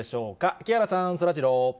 木原さん、そらジロー。